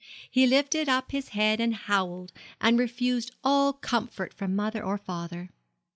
He lifted up his head and howled, and refused all comfort from mother or father.